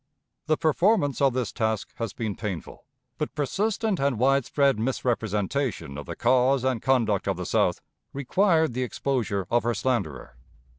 The performance of this task has been painful, but persistent and widespread misrepresentation of the cause and conduct of the South required the exposure of her slanderer.